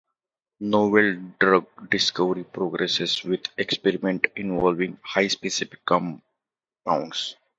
Novel drug discovery progresses with experiments involving highly specific compounds.